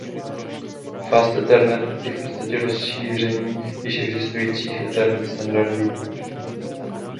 Fast Ethernet je v podstatě rozšíření již existujících Ethernet standardů.